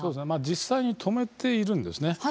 実際に止めているんですね。